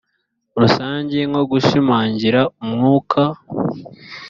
rusange nko gushimangira umwuka